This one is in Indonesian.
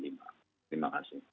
iya terima kasih banyak pak haris